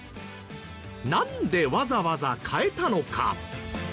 なんでわざわざ変えたのか？